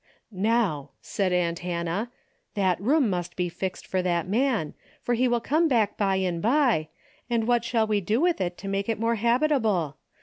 "How," said aunt Hannah, "that room must be fixed for that man, for he will come back by and by, and what shall we do with it to make it more habitable